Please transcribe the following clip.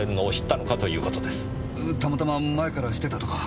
たまたま前から知ってたとか？